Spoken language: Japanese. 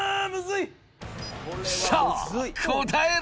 いさあ答えろ！